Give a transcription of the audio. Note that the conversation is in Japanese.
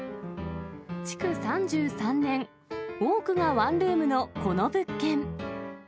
築３３年、多くがワンルームのこの物件。